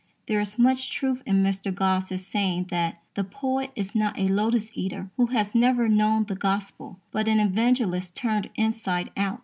There is much truth in Mr. Gosse's saying that "the poet is not a lotus eater who has never known the Gospel, but an evangelist turned inside out."